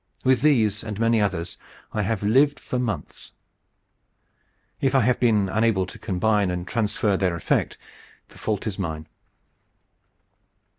With these and many others I have lived for months. If I have been unable to combine and transfer their effect, the fault is mine.